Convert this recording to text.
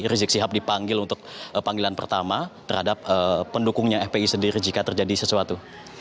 rizik sihab dipanggil untuk panggilan pertama terhadap pendukungnya fpi sendiri jika terjadi sesuatu